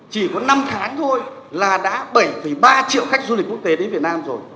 chỉ có năm tháng thôi là đã bảy ba triệu khách du lịch quốc tế đến việt nam rồi